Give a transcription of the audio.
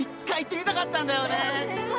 １回行ってみたかったんだよね！